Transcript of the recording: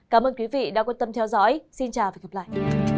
cảm ơn quý vị đã quan tâm theo dõi xin chào và hẹn gặp lại